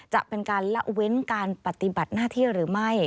จะเป็นการละเว้นการปฏิบัติหน้าที่หรือไม่